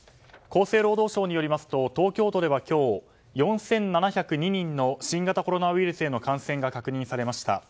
厚生労働省によりますと東京都では今日４７０２人の新型コロナウイルスへの感染が確認されました。